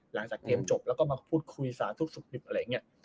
หลังจากเกมจบแล้วก็มาพูดคุยสาธุสุขดิบอะไรอย่างนี้